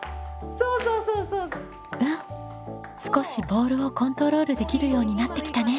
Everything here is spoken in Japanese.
うん少しボールをコントロールできるようになってきたね。